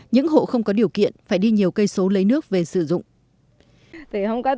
những hộ không có điều kiện phải đi nhiều cây số lấy nước về sử dụng